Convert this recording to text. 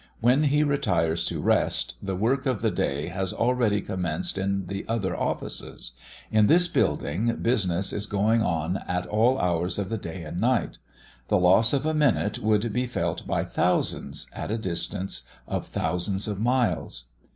When he retires to rest, the work of the day has already commenced in the other offices. In this building, business is going on at all hours of the day and the night. The loss of a minute would be felt by thousands, at a distance of thousands of miles.